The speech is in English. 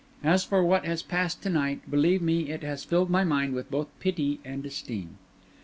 As for what has passed to night, believe me it has filled my mind with both pity and esteem."